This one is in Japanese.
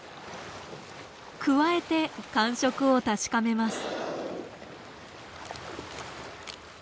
くわえて感触を確かめます。